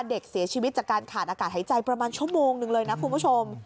เด็กเสียชีวิตจากการขาดอากาศหายใจประมาณชั่วโมงนึงเลยนะคุณผู้ชม